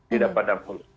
tidak pandang bulu